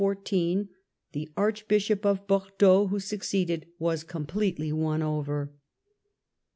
the Archbishop of Bordeaux who succeeded, was completely won over.